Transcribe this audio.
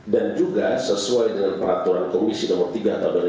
dan juga sesuai dengan peraturan komisi nomor tiga tabel empat delapan belas